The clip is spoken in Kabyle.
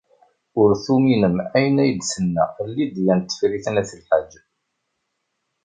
Ur tuminem ayen ay d-tenna Lidya n Tifrit n At Lḥaǧ.